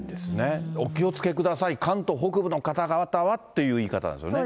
お気をつけください、関東北部の方々はという言い方なんですよね。